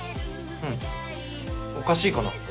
うんおかしいかな？